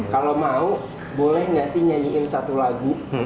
kalau mau boleh gak sih nyanyiin satu lagu